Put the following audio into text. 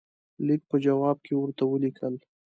لیک په جواب کې ورته ولیکل.